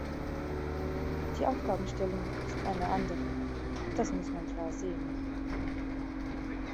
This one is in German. Die Aufgabenstellung ist eine andere, das muss man klar sehen.